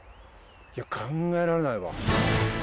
いや考えられないわ。